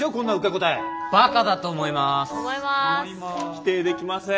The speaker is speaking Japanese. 否定できません。